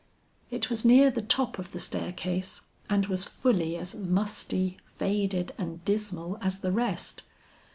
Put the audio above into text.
It was near the top of the staircase and was fully as musty, faded and dismal as the rest.